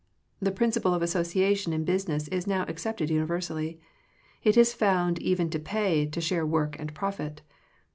The principle of association in business is now accepted universally. It is found even to pay, to share work and profit.